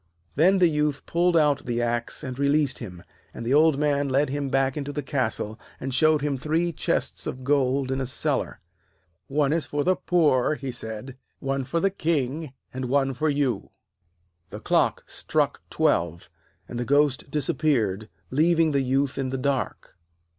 Then the Youth pulled out the axe and released him, and the Old Man led him back into the castle, and showed him three chests of gold in a cellar. 'One is for the poor,' he said, 'one for the King, and one for you.' The clock struck twelve, and the ghost disappeared, leaving the Youth in the dark.